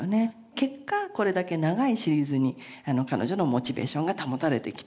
結果これだけ長いシリーズに彼女のモチベーションが保たれてきたという。